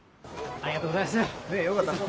ありがとうございます。